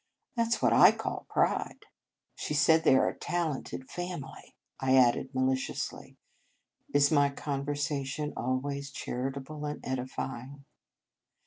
That s what /call pride." " She says they are a talented fam 91 In Our Convent Days ily," I added maliciously. (" Is my conversation always charitable and edifying?